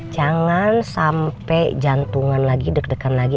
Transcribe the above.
jangan sampai jantungan lagi deg degan lagi